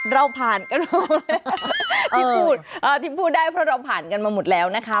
เราผ่านกันมาที่พูดที่พูดได้เพราะเราผ่านกันมาหมดแล้วนะคะ